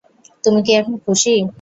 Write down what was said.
তুমি কী এখন খুশি?